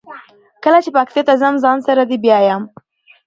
کله چې پکتیا ته ځم ځان سره دې بیایمه.